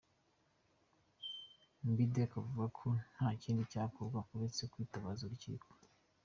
Mbidde akavuga ko nta kindi cyakorwa uretse kwitabaza urukiko.